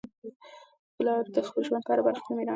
پلار د ژوند په هره برخه کي د مېړانې او استقامت ژوندۍ بېلګه ده.